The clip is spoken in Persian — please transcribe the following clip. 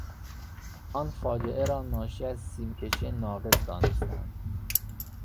آن فاجعه را ناشی از سیمکشی ناقص دانستند.